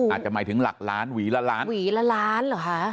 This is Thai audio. อาจจะหมายถึงหลักล้านหวีละล้านหวีละล้านเหรอคะ